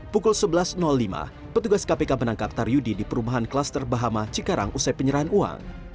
pukul sebelas lima petugas kpk menangkap taryudi di perumahan klaster bahama cikarang usai penyerahan uang